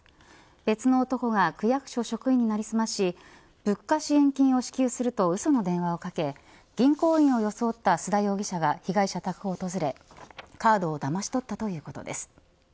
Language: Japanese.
別の男が区役所職員に成り済まし物価支援金を支給するとうその電話をかけ銀行員を装った須田容疑者が被害者宅を訪れカードをだまし取ったということです。